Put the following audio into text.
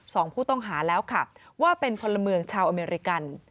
สองผู้ต้องหาแล้วค่ะว่าเป็นพลเมืองชาวอเมริกัน